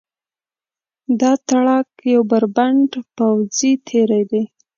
دغه تاړاک یو بربنډ پوځي تېری دی.